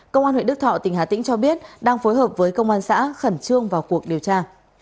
công an huyện đức thọ tỉnh hà tĩnh cho biết đang phối hợp với công an xã khẩn trương vào cuộc điều tra